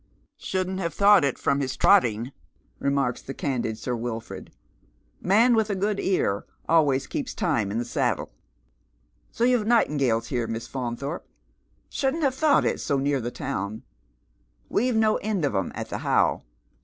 " Shouldn't have thought it from his tiotting," remarks the candid Sir Wilford. " Man with a good ear always keeps time in the saddle. So you've nightingales here, Miss Faunthorpe ? Shouldn't have thought it, so near the town. We've no end of 'em at the How.